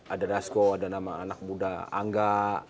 ada dasko ada nama anak muda angga